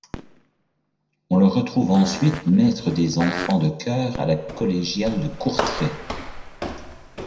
On le retrouve ensuite maître des enfants de chœur à la collégiale de Courtrai.